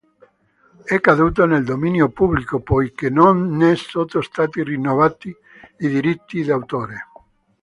È caduto nel dominio pubblico, poiché non ne sono stati rinnovati i diritti d'autore.